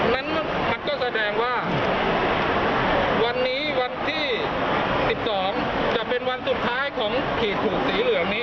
นั้นก็แสดงว่าวันที่๑๒จะเป็นวันสุดท้ายของขีดขูดสีเหลือง